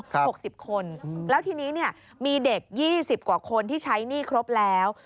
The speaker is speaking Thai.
ครับครับคุณแล้วทีนี้มีเด็ก๒๐กว่าคนที่ใช้หนี้ครบแล้ว